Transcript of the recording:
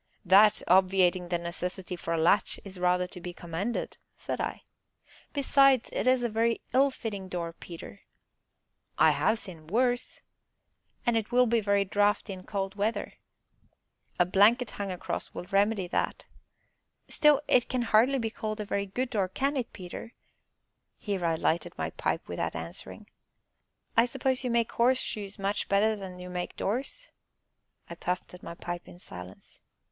"That, obviating the necessity of a latch, is rather to be commended," said I. "Besides, it is a very ill fitting door, Peter." "I have seen worse." "And will be very draughty in cold weather." "A blanket hung across will remedy that." "Still, it can hardly be called a very good door, can it, Peter?" Here I lighted my pipe without answering. "I suppose you make horseshoes much better than you make doors?" I puffed at my pipe in silence.